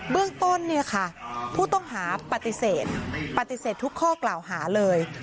เรื่องต้นเนี่ยค่ะผู้ต้องหาปฏิเสธปฏิเสธทุกข้อกล่าวหาเลย